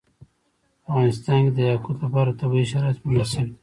په افغانستان کې د یاقوت لپاره طبیعي شرایط مناسب دي.